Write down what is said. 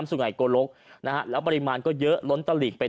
๊นสุนไข่กลลกนะฮะแล้วปริมาณก็เยอะล้นตาหลีกไปถ่วม